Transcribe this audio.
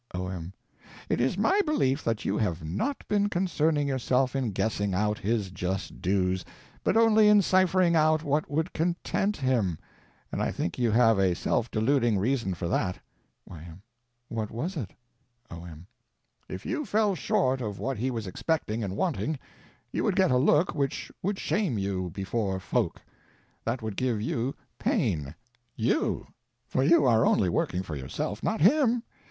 O.M. It is my belief that you have not been concerning yourself in guessing out his just dues, but only in ciphering out what would content him. And I think you have a self deluding reason for that. Y.M. What was it? O.M. If you fell short of what he was expecting and wanting, you would get a look which would shame you before folk. That would give you pain. You—for you are only working for yourself, not him.